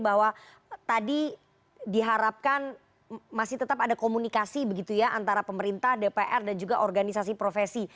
bahwa tadi diharapkan masih tetap ada komunikasi begitu ya antara pemerintah dpr dan juga organisasi profesi